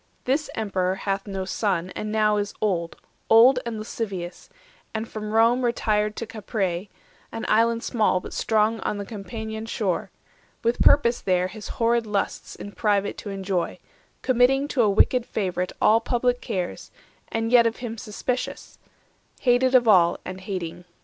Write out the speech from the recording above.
This Emperor hath no son, and now is old, 90 Old and lascivious, and from Rome retired To Capreae, an island small but strong On the Campanian shore, with purpose there His horrid lusts in private to enjoy; Committing to a wicked favourite All public cares, and yet of him suspicious; Hated of all, and hating.